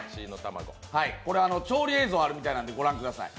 これ、調理映像があるみたいなんで御覧ください。